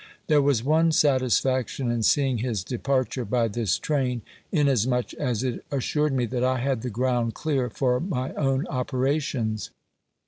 There was one satisfaction in seeing his departure by this train, inasmuch as it assured me that I had the ground clear for my own operations.